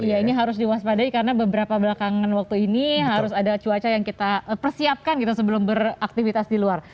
iya ini harus diwaspadai karena beberapa belakangan waktu ini harus ada cuaca yang kita persiapkan gitu sebelum beraktivitas di luar